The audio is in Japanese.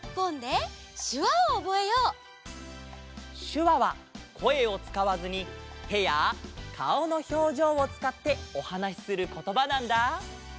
しゅわはこえをつかわずにてやかおのひょうじょうをつかっておはなしすることばなんだ。